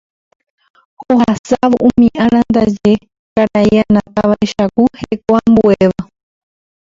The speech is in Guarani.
Ohasávo umi ára ndaje karai Anata vaicháku hekoambuéva.